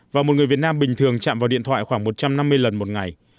và một người việt nam bình thường chạm vào điện thoại khoảng một trăm năm mươi lần một ngày